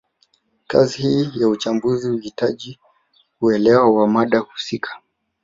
Kazi hii ya uchambuzi huhitaji uelewa wa mada husika